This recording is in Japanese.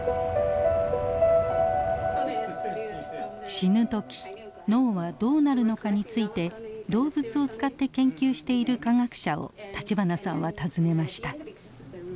死ぬ時脳はどうなるのかについて動物を使って研究している科学者を立花さんは訪ねました。